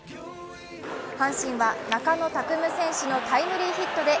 阪神は中野拓夢選手のタイムリーヒットで